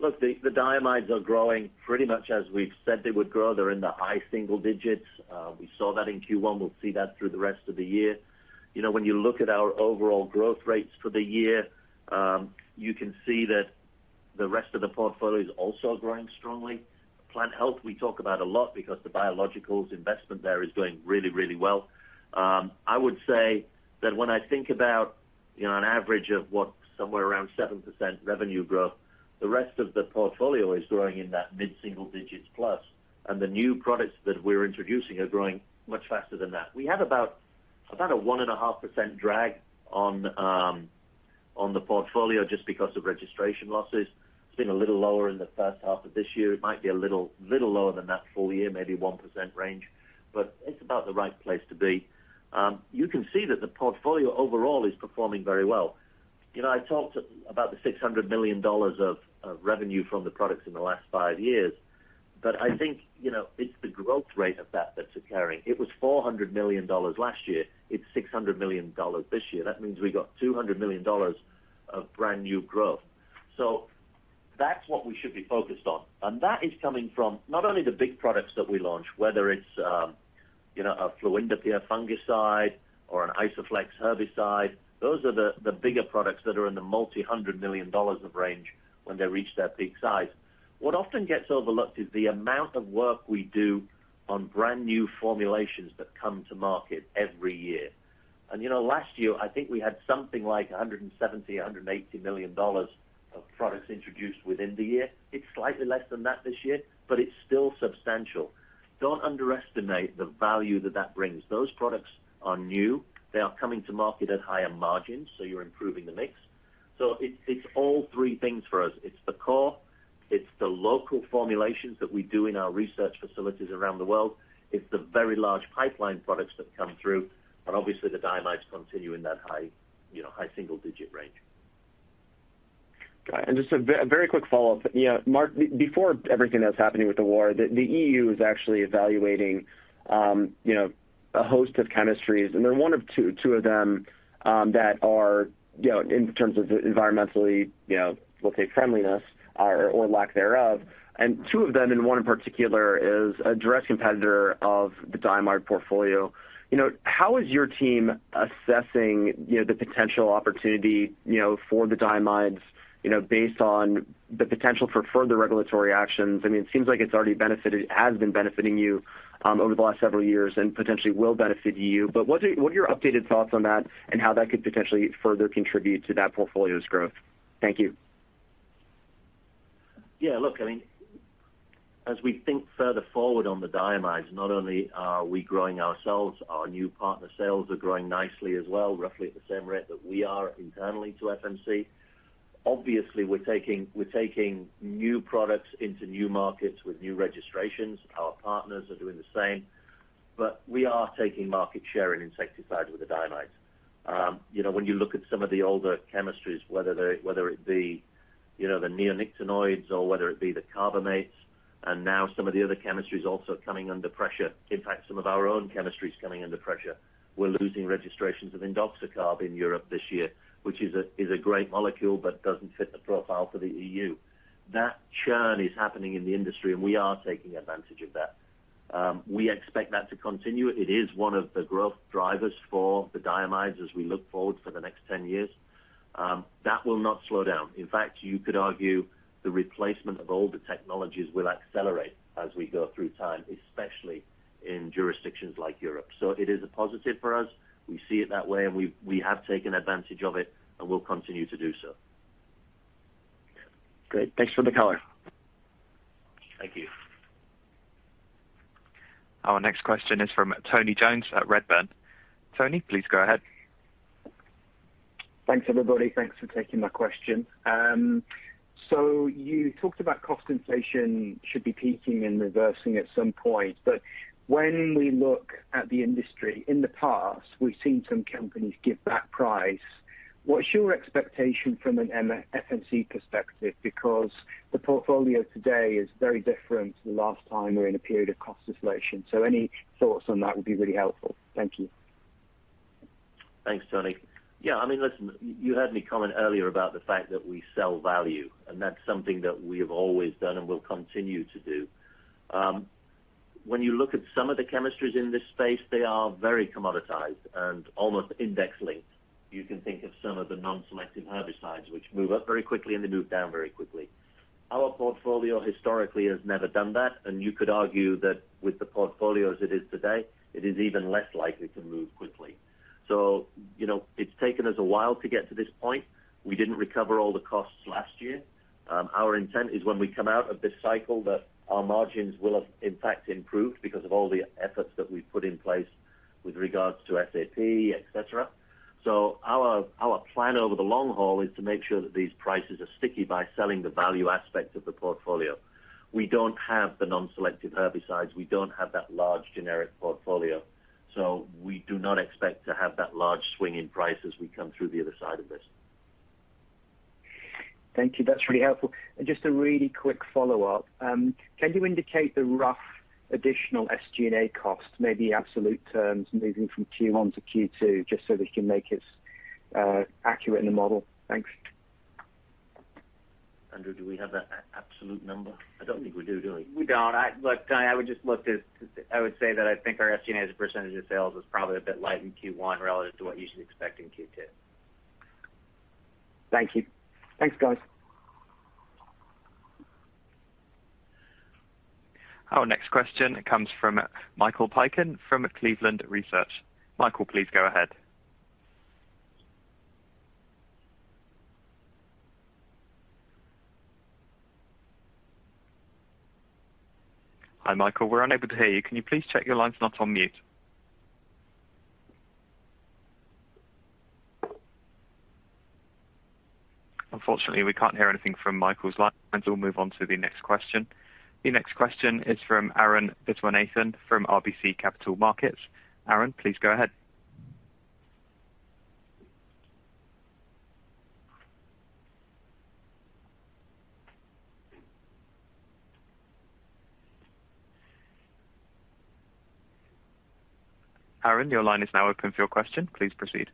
Look, the diamides are growing pretty much as we've said they would grow. They're in the high single digits%. We saw that in Q1, we'll see that through the rest of the year. You know, when you look at our overall growth rates for the year, you can see that the rest of the portfolio is also growing strongly. Plant health, we talk about a lot because the biologicals investment there is doing really, really well. I would say that when I think about, you know, an average of what, somewhere around 7% revenue growth, the rest of the portfolio is growing in that mid-single digits% plus, and the new products that we're introducing are growing much faster than that. We have about a 1.5% drag on the portfolio just because of registration losses. It's been a little lower in the H1 of this year. It might be a little lower than that full year, maybe 1% range, but it's about the right place to be. You can see that the portfolio overall is performing very well. You know, I talked about the $600 million of revenue from the products in the last five years, but I think, you know, it's the growth rate of that that's occurring. It was $400 million last year. It's $600 million this year. That means we got $200 million of brand new growth. So that's what we should be focused on. That is coming from not only the big products that we launch, whether it's, you know, a fluindapyr fungicide or an Isoflex herbicide. Those are the bigger products that are in the multi-hundred million dollars range when they reach their peak size. What often gets overlooked is the amount of work we do on brand new formulations that come to market every year. You know, last year, I think we had something like $170-$180 million of products introduced within the year. It's slightly less than that this year, but it's still substantial. Don't underestimate the value that that brings. Those products are new. They are coming to market at higher margins, so you're improving the mix. It's all three things for us. It's the core, it's the local formulations that we do in our research facilities around the world. It's the very large pipeline products that come through. Obviously the diamides continue in that high, you know, high single-digit range. Got it. Just a very quick follow-up. You know, Mark, before everything that's happening with the war, the EU is actually evaluating, you know, a host of chemistries, and they're two of them that are, you know, in terms of environmentally, you know, we'll say friendliness or lack thereof. Two of them, one in particular is a direct competitor of the diamides portfolio. You know, how is your team assessing, you know, the potential opportunity, you know, for the diamides, you know, based on the potential for further regulatory actions? I mean, it seems like it's already benefited, has been benefiting you over the last several years and potentially will benefit you. What are your updated thoughts on that and how that could potentially further contribute to that portfolio's growth? Thank you. Yeah, look, I mean, as we think further forward on the diamides, not only are we growing ourselves, our new partner sales are growing nicely as well, roughly at the same rate that we are internally to FMC. Obviously, we're taking new products into new markets with new registrations. Our partners are doing the same. We are taking market share in insecticides with the diamides. You know, when you look at some of the older chemistries, whether it be, you know, the neonicotinoids or whether it be the carbamates, and now some of the other chemistries also are coming under pressure. In fact, some of our own chemistry is coming under pressure. We're losing registrations of indoxacarb in Europe this year, which is a great molecule but doesn't fit the profile for the EU. That churn is happening in the industry, and we are taking advantage of that. We expect that to continue. It is one of the growth drivers for the diamides as we look forward for the next 10 years. That will not slow down. In fact, you could argue the replacement of older technologies will accelerate as we go through time, especially in jurisdictions like Europe. It is a positive for us. We see it that way, and we have taken advantage of it and will continue to do so. Great. Thanks for the color. Thank you. Our next question is from Tony Jones at Redburn. Tony, please go ahead. Thanks, everybody. Thanks for taking my question. You talked about cost inflation should be peaking and reversing at some point, but when we look at the industry in the past, we've seen some companies give back price. What's your expectation from an FMC perspective? Because the portfolio today is very different to the last time we're in a period of cost inflation. Any thoughts on that would be really helpful. Thank you. Thanks, Tony. Yeah, I mean, listen, you heard me comment earlier about the fact that we sell value, and that's something that we have always done and will continue to do. When you look at some of the chemistries in this space, they are very commoditized and almost index-linked. You can think of some of the non-selective herbicides which move up very quickly and they move down very quickly. Our portfolio historically has never done that, and you could argue that with the portfolio as it is today, it is even less likely to move quickly. You know, it's taken us a while to get to this point. We didn't recover all the costs last year. Our intent is when we come out of this cycle that our margins will have in fact improved because of all the efforts that we've put in place with regards to SAP, etc. Our plan over the long haul is to make sure that these prices are sticky by selling the value aspect of the portfolio. We don't have the non-selective herbicides, we don't have that large generic portfolio. We do not expect to have that large swing in price as we come through the other side of this. Thank you. That's really helpful. Just a really quick follow-up. Can you indicate the rough additional SG&A cost, in absolute terms moving from Q1 to Q2, just so we can make it accurate in the model? Thanks. Andrew, do we have that absolute number? I don't think we do we? We don't. I would say that I think our SG&A as a percentage of sales was probably a bit light in Q1 relative to what you should expect in Q2. Thank you. Thanks, guys. Our next question comes from Michael Piken from Cleveland Research. Michael, please go ahead. Hi, Michael. We're unable to hear you. Can you please check your line's not on mute? Unfortunately, we can't hear anything from Michael's line, so we'll move on to the next question. The next question is from Arun Viswanathan from RBC Capital Markets. Arun, please go ahead. Arun, your line is now open for your question. Please proceed.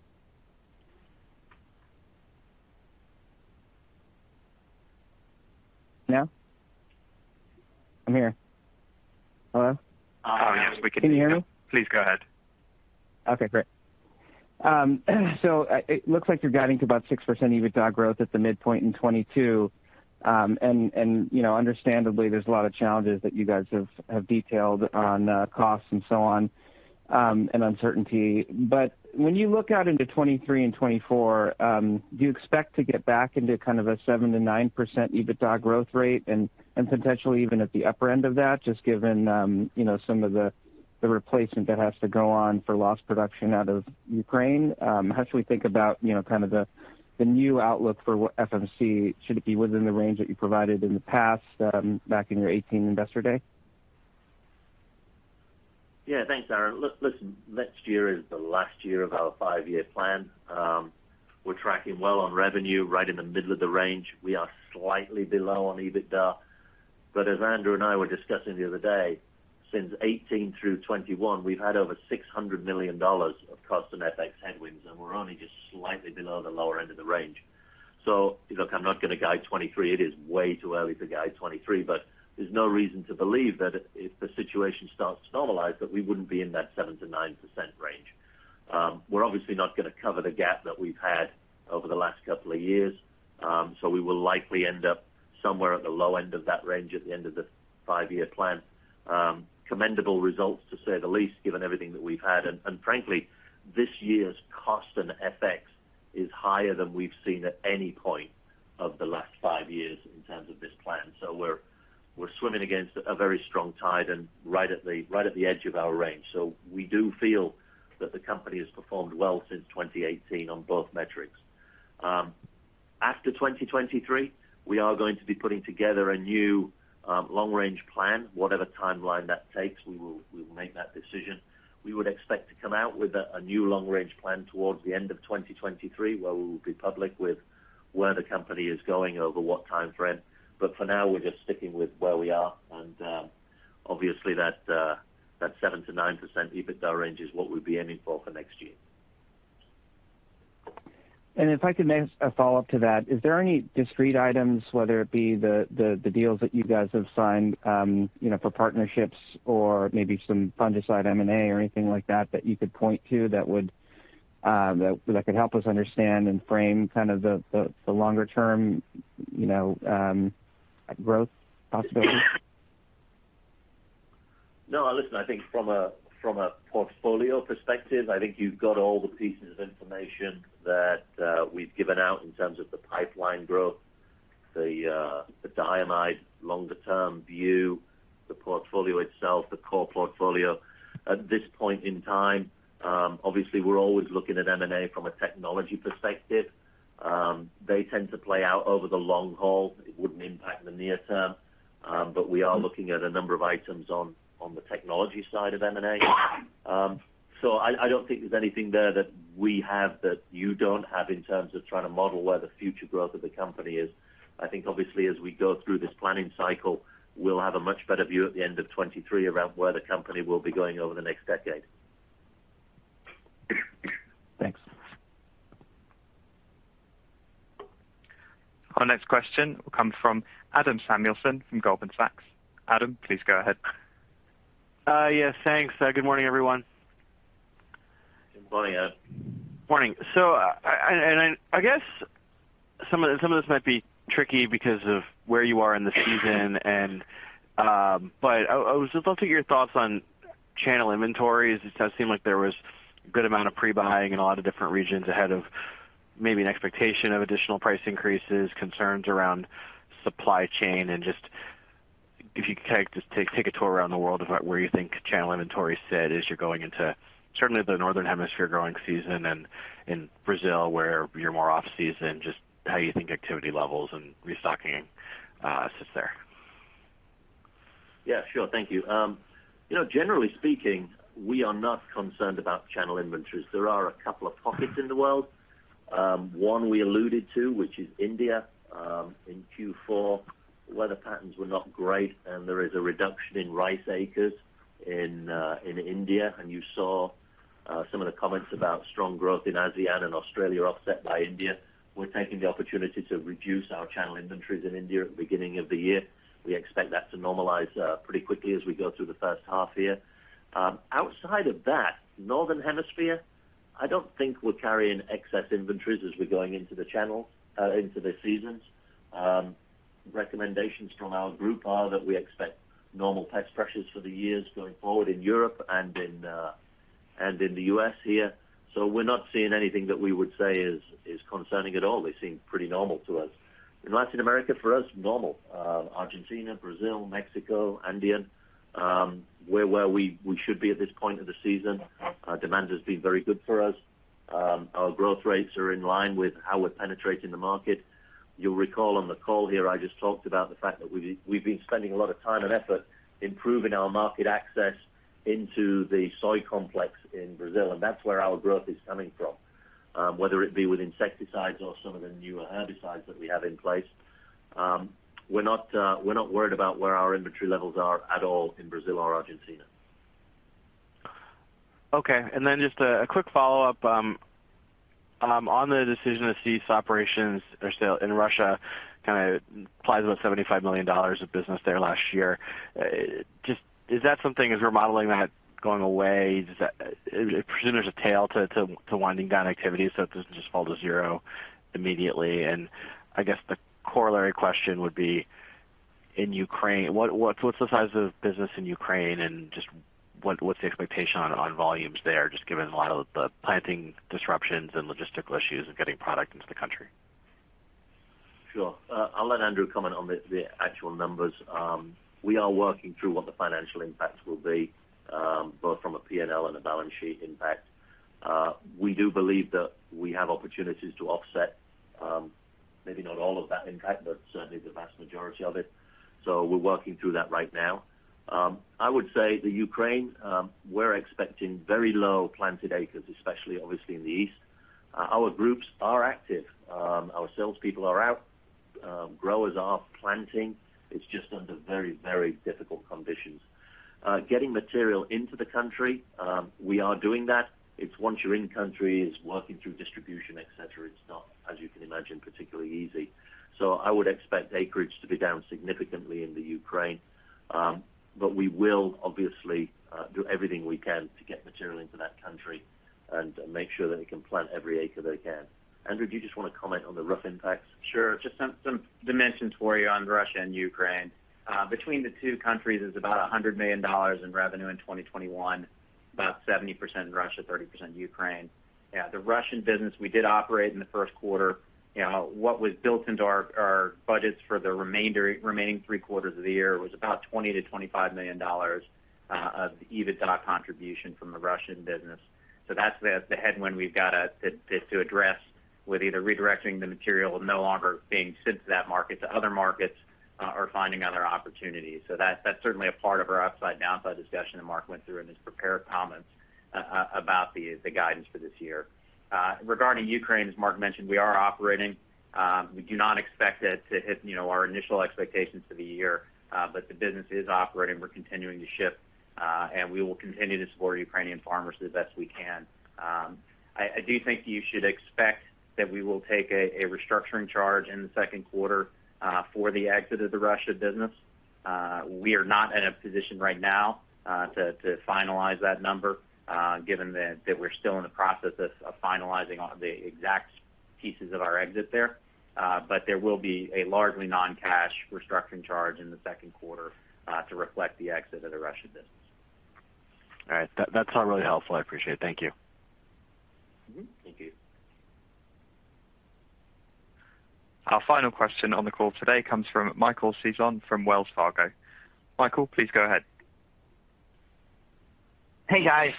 Now? I'm here. Hello? Arun, yes, we can hear you. Can you hear me? Please go ahead. Okay, great. So it looks like you're guiding to about 6% EBITDA growth at the midpoint in 2022. And you know, understandably, there's a lot of challenges that you guys have detailed on costs and so on, and uncertainty. When you look out into 2023 and 2024, do you expect to get back into kind of a 7%-9% EBITDA growth rate and potentially even at the upper end of that, just given you know, some of the replacement that has to go on for lost production out of Ukraine? How should we think about you know, kind of the new outlook for what FMC should be within the range that you provided in the past, back in your 2018 Investor Day? Yeah. Thanks, Arun. Listen, next year is the last year of our five-year plan. We're tracking well on revenue right in the middle of the range. We are slightly below on EBITDA. As Andrew and I were discussing the other day, since 2018 through 2021, we've had over $600 million of cost and FX headwinds, and we're only just slightly below the lower end of the range. Look, I'm not gonna guide 2023. It is way too early to guide 2023, but there's no reason to believe that if the situation starts to normalize, that we wouldn't be in that 7%-9% range. We're obviously not gonna cover the gap that we've had over the last couple of years, so we will likely end up somewhere at the low end of that range at the end of the five-year plan. Commendable results to say the least, given everything that we've had. Frankly, this year's cost and FX is higher than we've seen at any point of the last five years in terms of this plan. We're swimming against a very strong tide and right at the edge of our range. We do feel that the company has performed well since 2018 on both metrics. After 2023, we are going to be putting together a new long-range plan. Whatever timeline that takes, we will make that decision. We would expect to come out with a new long-range plan towards the end of 2023, where we will be public with where the company is going over what timeframe. For now, we're just sticking with where we are and, obviously, that 7%-9% EBITDA range is what we'll be aiming for next year. If I could make a follow-up to that, is there any discrete items, whether it be the deals that you guys have signed, you know, for partnerships or maybe some fungicide M&A or anything like that you could point to that could help us understand and frame kind of the longer term, you know, growth possibility? No, listen, I think from a portfolio perspective, I think you've got all the pieces of information that we've given out in terms of the pipeline growth, the diamides longer term view, the portfolio itself, the core portfolio. At this point in time, obviously we're always looking at M&A from a technology perspective. They tend to play out over the long haul. It wouldn't impact the near term, but we are looking at a number of items on the technology side of M&A. I don't think there's anything there that we have that you don't have in terms of trying to model where the future growth of the company is. I think obviously as we go through this planning cycle, we'll have a much better view at the end of 2023 around where the company will be going over the next decade. Thanks. Our next question will come from Adam Samuelson from Goldman Sachs. Adam, please go ahead. Yes, thanks. Good morning, everyone. Good morning, Adam. Morning. I guess some of this might be tricky because of where you are in the season, but I was just looking at your thoughts on channel inventories. It does seem like there was a good amount of pre-buying in a lot of different regions ahead of maybe an expectation of additional price increases, concerns around supply chain and just if you could take a tour around the world about where you think channel inventory sit as you're going into certainly the northern hemisphere growing season and in Brazil where you're more off-season, just how you think activity levels and restocking sits there. Yeah, sure. Thank you. You know, generally speaking, we are not concerned about channel inventories. There are a couple of pockets in the world. One we alluded to, which is India, in Q4. Weather patterns were not great, and there is a reduction in rice acres in India. You saw some of the comments about strong growth in ASEAN and Australia are offset by India. We're taking the opportunity to reduce our channel inventories in India at the beginning of the year. We expect that to normalize pretty quickly as we go through the H1 here. Outside of that, Northern Hemisphere, I don't think we're carrying excess inventories as we're going into the channel into the seasons. Recommendations from our group are that we expect normal pest pressures for the years going forward in Europe and in the U.S. here. We're not seeing anything that we would say is concerning at all. They seem pretty normal to us. In Latin America, for us, normal. Argentina, Brazil, Mexico, Andean, we're where we should be at this point of the season. Demand has been very good for us. Our growth rates are in line with how we're penetrating the market. You'll recall on the call here, I just talked about the fact that we've been spending a lot of time and effort improving our market access into the soy complex in Brazil, and that's where our growth is coming from. Whether it be with insecticides or some of the newer herbicides that we have in place. We're not worried about where our inventory levels are at all in Brazil or Argentina. Just a quick follow-up on the decision to cease operations or sell in Russia that kind of applies to about $75 million of business there last year. Is that something? Is that all going away? I presume there's a tail to winding down activities, so it doesn't just fall to zero immediately. I guess the corollary question would be in Ukraine, what's the size of business in Ukraine and just what's the expectation on volumes there, just given a lot of the planting disruptions and logistical issues of getting product into the country? Sure. I'll let Andrew comment on the actual numbers. We are working through what the financial impact will be, both from a P&L and a balance sheet impact. We do believe that we have opportunities to offset, maybe not all of that impact, but certainly the vast majority of it. We're working through that right now. I would say the Ukraine, we're expecting very low planted acres, especially obviously in the east. Our groups are active. Our salespeople are out. Growers are planting. It's just under very, very difficult conditions. Getting material into the country, we are doing that. It's once you're in country, it's working through distribution, et cetera. It's not, as you can imagine, particularly easy. I would expect acreage to be down significantly in the Ukraine. We will obviously do everything we can to get material into that country and make sure that they can plant every acre they can. Andrew, do you just wanna comment on the rough impacts? Sure. Just some dimensions for you on Russia and Ukraine. Between the two countries is about $100 million in revenue in 2021, about 70% in Russia, 30% Ukraine. Yeah, the Russian business we did operate in the Q1. You know, what was built into our budgets for the remaining three quarters of the year was about $20 million-$25 million of EBITDA contribution from the Russian business. That's the headwind we've got to address with either redirecting the material no longer being sent to that market to other markets or finding other opportunities. That's certainly a part of our upside/downside discussion that Mark went through in his prepared comments about the guidance for this year. Regarding Ukraine, as Mark mentioned, we are operating. We do not expect it to hit, you know, our initial expectations for the year, but the business is operating. We're continuing to ship, and we will continue to support Ukrainian farmers the best we can. I do think you should expect that we will take a restructuring charge in the Q2, for the exit of the Russia business. We are not in a position right now, to finalize that number, given that we're still in the process of finalizing on the exact pieces of our exit there. There will be a largely non-cash restructuring charge in the Q2, to reflect the exit of the Russia business. All right. That's all really helpful. I appreciate it. Thank you. Mm-hmm. Thank you. Our final question on the call today comes from Michael Sison from Wells Fargo. Michael, please go ahead. Hey, guys.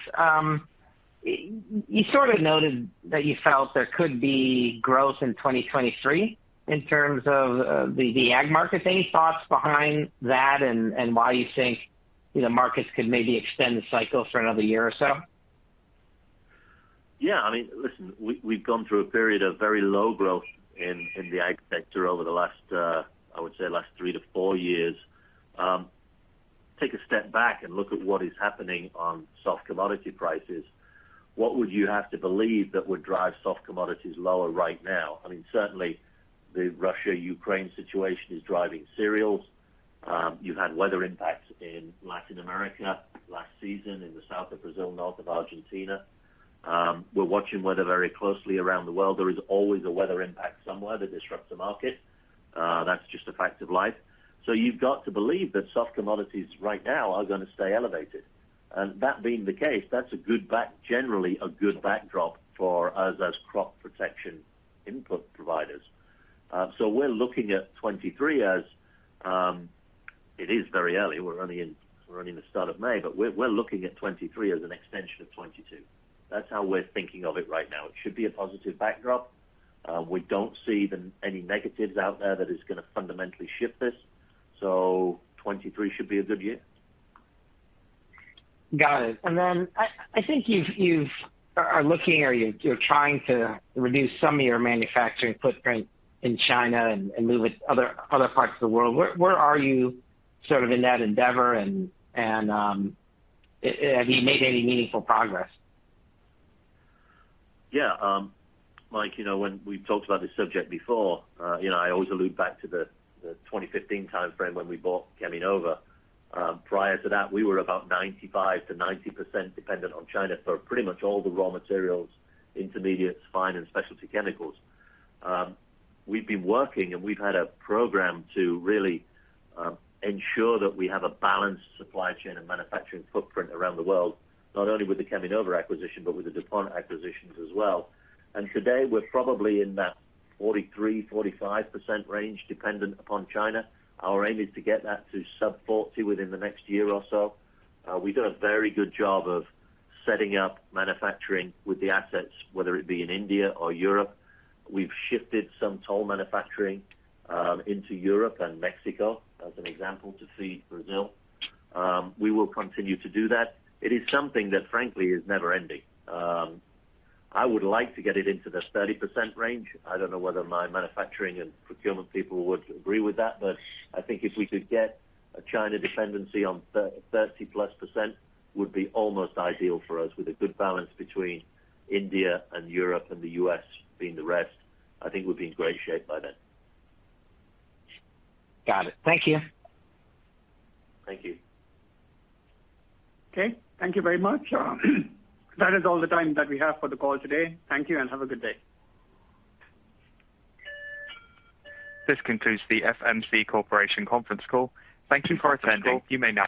You sort of noted that you felt there could be growth in 2023 in terms of the ag markets. Any thoughts behind that and why you think, you know, markets could maybe extend the cycle for another year or so? Yeah. I mean, listen, we've gone through a period of very low growth in the ag sector over the last 3-4 years. Take a step back and look at what is happening on soft commodity prices. What would you have to believe that would drive soft commodities lower right now? I mean, certainly the Russia-Ukraine situation is driving cereals. You've had weather impacts in Latin America last season in the south of Brazil, north of Argentina. We're watching weather very closely around the world. There is always a weather impact somewhere that disrupts the market. That's just a fact of life. You've got to believe that soft commodities right now are gonna stay elevated. And that being the case, that's generally a good backdrop for us as crop protection input providers. We're looking at 2023 as. It is very early. We're only in the start of May, but we're looking at 2023 as an extension of 2022. That's how we're thinking of it right now. It should be a positive backdrop. We don't see any negatives out there that is gonna fundamentally shift this. 2023 should be a good year. Got it. I think you're trying to reduce some of your manufacturing footprint in China. Have you made any meaningful progress? Yeah. Mike, you know, when we've talked about this subject before, you know, I always allude back to the 2015 timeframe when we bought Cheminova. Prior to that, we were about 95%-90% dependent on China for pretty much all the raw materials, intermediates, fine and specialty chemicals. We've been working, and we've had a program to really ensure that we have a balanced supply chain and manufacturing footprint around the world, not only with the Cheminova acquisition, but with the DuPont acquisitions as well. Today, we're probably in that 43%-45% range dependent upon China. Our aim is to get that to sub-40% within the next year or so. We've done a very good job of setting up manufacturing with the assets, whether it be in India or Europe. We've shifted some toll manufacturing into Europe and Mexico, as an example, to feed Brazil. We will continue to do that. It is something that frankly is never ending. I would like to get it into the 30% range. I don't know whether my manufacturing and procurement people would agree with that. I think if we could get a China dependency on 30%+ would be almost ideal for us, with a good balance between India and Europe and the U.S. being the rest. I think we'd be in great shape by then. Got it. Thank you. Thank you. Okay, thank you very much. That is all the time that we have for the call today. Thank you, and have a good day. This concludes the FMC Corporation conference call. Thank you for attending. You may now disconnect.